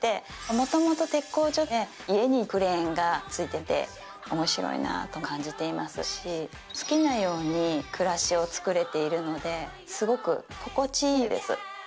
元々鉄工所で家にクレーンが付いてて面白いなと感じていますし好きなように暮らしをつくれているのですごく心地いいです。